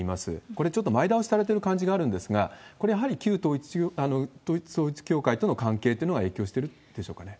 これ、ちょっと前倒しされてる感じがあるんですが、これ、やはり旧統一教会との関係というのが影響してるんでしょうかね。